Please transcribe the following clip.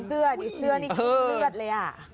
เลือดอีกเลือดนี่เลือดเลย